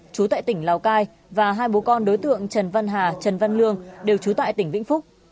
chú tại tỉnh lào cai và hai bố con đối tượng trần văn hà trần văn lương đều trú tại tỉnh vĩnh phúc